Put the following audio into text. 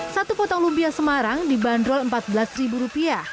satu potong lumpia semarang dibanderol rp empat belas